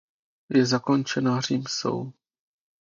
Je zakončena římsou.